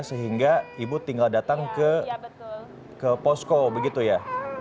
sehingga ibu tinggal datang ke posko begitu ya